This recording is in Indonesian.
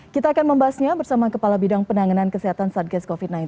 kita akan membahasnya bersama kepala bidang penanganan kesehatan satgas covid sembilan belas